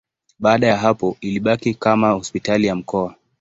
Baada ya hapo ilibaki kama hospitali ya mkoa.